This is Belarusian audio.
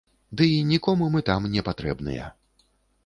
Дый нікому мы там не патрэбныя.